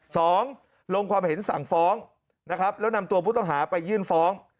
สองลงความเห็นสั่งฟ้องนะครับแล้วนำตัวผู้ต้องหาไปยื่นฟ้อง